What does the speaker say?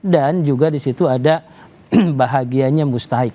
dan juga disitu ada bahagianya mustahik